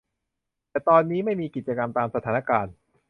แต่ตอนนี้ไม่มีกิจกรรม ตามสถานการณ์